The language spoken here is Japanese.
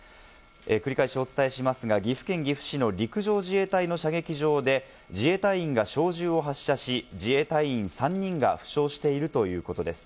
繰り返しお伝えしますが、岐阜県岐阜市の陸上自衛隊の射撃場で、自衛隊員が小銃を発射し、自衛隊員３人が負傷しているということです。